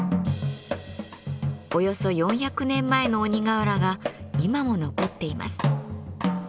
およそ４００年前の鬼瓦が今も残っています。